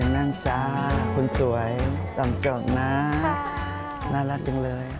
นั่นจ้าคุณสวยจำจงนะน่ารักจังเลย